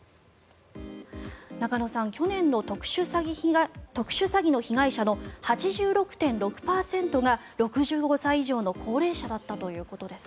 中野さん、去年の特殊詐欺の被害者の８６．６％が６５歳以上の高齢者だったということです。